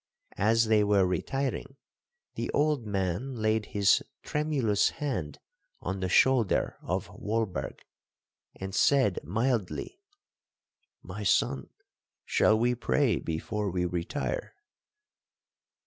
As they were retiring, the old man laid his tremulous hand on the shoulder of Walberg, and said mildly, 'My son, shall we pray before we retire?'